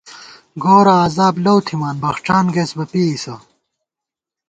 گورَہ عذاب لَؤ تھِمان ، بخڄان گئیس بہ پېئیسہ